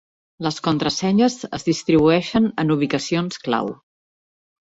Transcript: Les contrasenyes es distribueixen en ubicacions clau.